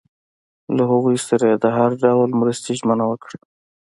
له هغوی سره یې د هر ډول مرستې ژمنه وکړه.